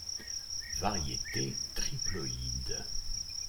Variété triploïde.